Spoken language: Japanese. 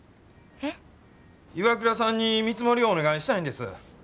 ＩＷＡＫＵＲＡさんに見積もりをお願いしたいんです。